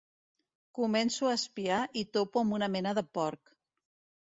Començo a espiar i topo amb una mena de porc.